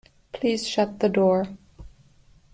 Please shut the door.